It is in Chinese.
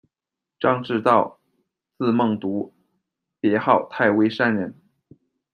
张治道，字孟独，别号太微山人。